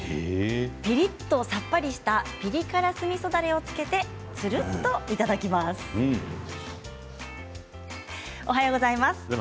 ピリっとさっぱりしたピリ辛酢みそだれをつけてつるっといただきます。